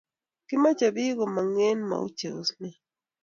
Kimache pik komag en mauche oset